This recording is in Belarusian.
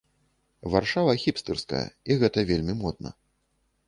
Варшава, хіпстэрская, і гэта вельмі модна.